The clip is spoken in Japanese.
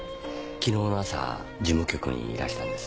昨日の朝事務局にいらしたんです